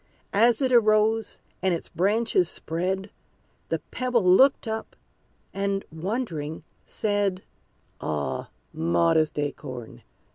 As it arose, and its branches spread, The Pebble looked up, and, wondering, said, "Ah, modest Acorn!